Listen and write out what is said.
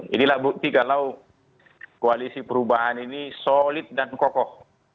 inilah bukti kalau koalisi perubahan ini solid dan kokoh